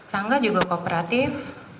rangga juga kooperatif